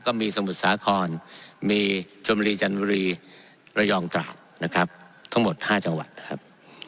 สมุทรสาครมีชมบุรีจันทบุรีระยองตราดนะครับทั้งหมด๕จังหวัดนะครับ